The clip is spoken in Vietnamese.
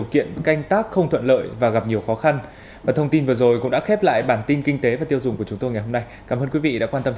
kính chào tạm biệt quý vị